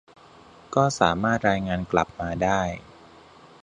ก็สามารถรายงานกลับมาได้